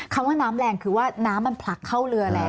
คำว่าน้ำแรงคือว่าน้ำมันผลักเข้าเรือแล้ว